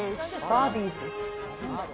バビーズです。